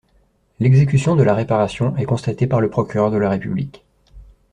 L'exécution de la réparation est constatée par le Procureur de la République.